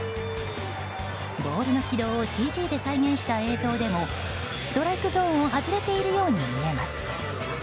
ボールの軌道をＣＧで再現した映像でもストライクゾーンを外れているように見えます。